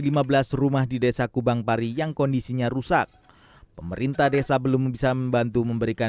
di rumah kan dengan kubang pari yang kondisinya rusak pemerintah desa belum bisa membantu memberikan